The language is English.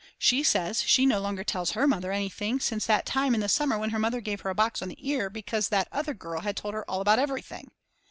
She says she no longer tells her mother anything since that time in the summer when her mother gave her a box on the ear because that other girl had told her all about everything.